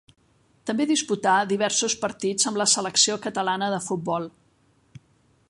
També disputà diversos partits amb la selecció catalana de futbol.